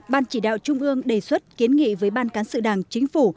ban chỉ đạo trung ương đề xuất kiến nghị với ban cán sự đảng chính phủ